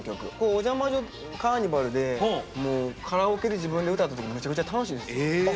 「おジャ魔女カーニバル！！」でカラオケで自分で歌った時めちゃくちゃ楽しいんですよ。